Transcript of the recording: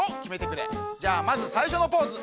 じゃあまずさいしょのポーズ。